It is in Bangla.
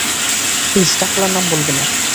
প্লিজ টাকলার নাম বলবে না।